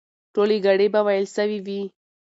ټولې ګړې به وېل سوې وي.